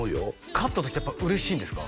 勝った時ってやっぱ嬉しいんですか？